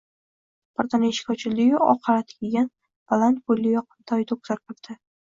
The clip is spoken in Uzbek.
Birdan eshik ochildi-yu, oq halat kiygan, baland bo`yli, yoqimtoy doctor kirdi